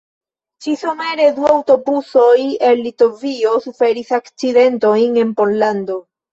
Ĉi-somere du aŭtobusoj el Litovio suferis akcidentojn en Pollando.